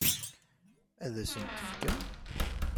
Ad asent-t-tefkem?